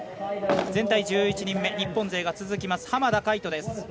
全体１１人目、日本勢続きます。